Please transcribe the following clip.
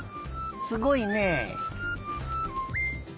すごいね。